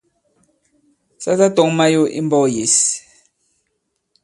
Sa tatɔ̄ŋ mayo i mbɔ̄k yěs.